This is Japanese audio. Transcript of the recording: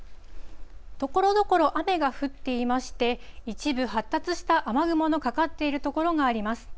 ところどころ雨が降っていまして、一部、発達した雨雲のかかっている所があります。